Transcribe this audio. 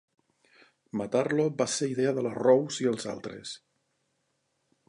Matar-lo va ser idea de la Rose i els altres.